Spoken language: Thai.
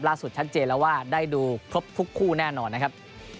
ชัดเจนแล้วว่าได้ดูครบทุกคู่แน่นอนนะครับ